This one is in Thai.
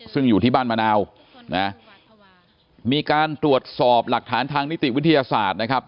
ซึ่งอยู่ที่บ้านมะนาวนะมีการตรวจสอบหลักฐานทางนิติวิทยาศาสตร์นะครับ